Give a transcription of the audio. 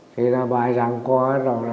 thì là bài giảng qua rồi là